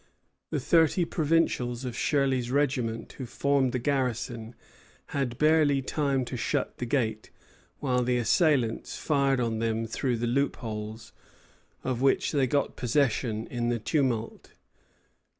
The thirty provincials of Shirley's regiment who formed the garrison had barely time to shut the gate, while the assailants fired on them through the loopholes, of which they got possession in the tumult.